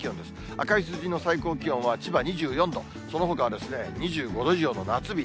赤い数字の最高気温は、千葉２４度、そのほかは２５度以上の夏日。